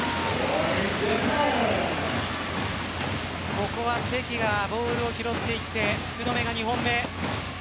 ここは関がボールを拾っていって福留が２本目。